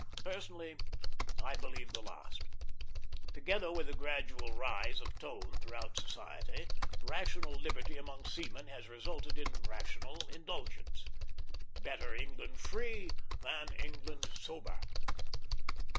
Personally, I believe the last. Together with the gradual rise of tone throughout society, rational liberty among seamen has resulted in rational indulgence. "Better England free than England sober."